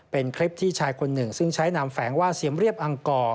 เป็นคลิปที่ชายคนหนึ่งซึ่งใช้นามแฝงว่าเสียมเรียบอังก่อ